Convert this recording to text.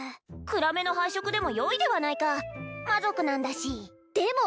暗めの配色でも良いではないか魔族なんだしでも！